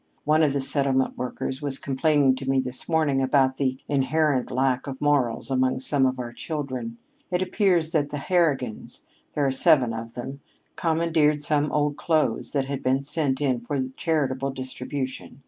One of the settlement workers was complaining to me this morning about the inherent lack of morals among some of our children. It appears that the Harrigans there are seven of them commandeered some old clothes that had been sent in for charitable distribution.